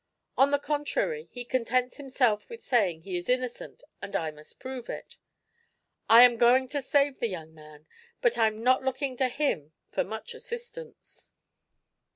On the contrary, he contents himself with saying he is innocent and I must prove it. I'm going to save the young man, but I'm not looking to him for much assistance."